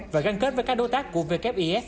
và găng kết với các đối tác của wif